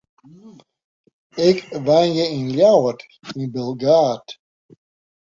Ik wenje yn Ljouwert, yn Bilgaard.